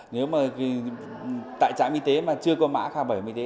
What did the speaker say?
nếu mà tại trạm y tế mà chưa có mã khai bởi y tế